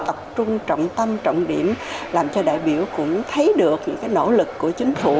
tập trung trọng tâm trọng điểm làm cho đại biểu cũng thấy được những nỗ lực của chính phủ